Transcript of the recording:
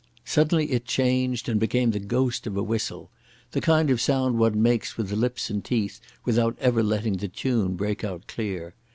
Suddenly it changed and became the ghost of a whistle—the kind of sound one makes with the lips and teeth without ever letting the tune break out clear.